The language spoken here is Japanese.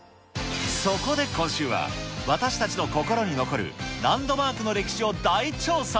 そこで今週は、私たちの心に残るランドマークの歴史を大調査。